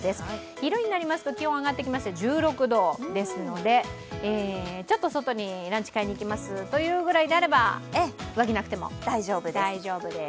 昼になりますと気温上がってきまして１６度ですので、ちょっと外にランチ買いに行きますぐらいだったら上着なくても大丈夫です。